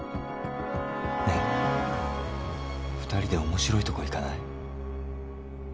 ねえ２人で面白いとこ行かない？